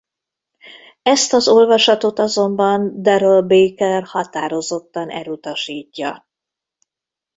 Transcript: Ezt az olvasatot azonban Darrell Baker határozottan elutasítja.